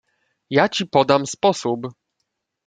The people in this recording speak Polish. "ja ci podam sposób."